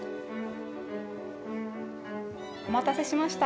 お待たせしました。